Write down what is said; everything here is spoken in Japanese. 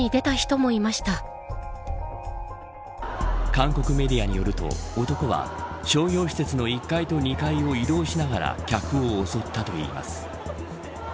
韓国メディアによると、男は商業施設の１階と２階を移動しながら客を襲ったといいます。